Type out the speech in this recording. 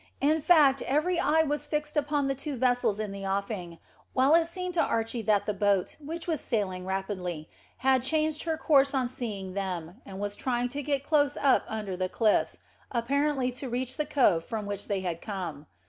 In fact, every eye was fixed upon the two vessels in the offing, while it seemed to Archy that the boat, which was sailing rapidly, had changed her course on seeing them, and was trying to get close up under the cliffs, apparently to reach the cove from which they had come.